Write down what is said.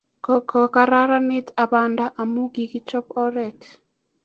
Kokokararanit abnda amu kikechob oratinwek